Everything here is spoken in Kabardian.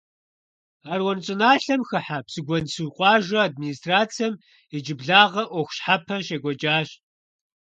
Аруан щӀыналъэм хыхьэ Псыгуэнсу къуажэ администрацэм иджыблагъэ Ӏуэху щхьэпэ щекӀуэкӀащ.